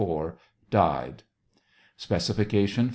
1864, died. Specification 5.